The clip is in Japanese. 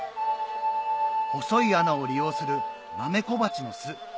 細い穴を利用するマメコバチの巣